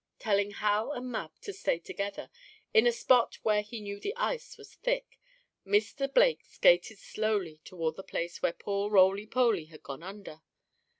Telling Hal and Mab to stay together, in a spot where he knew the ice was thick, Mr. Blake skated slowly toward the place where poor Roly Poly had gone under.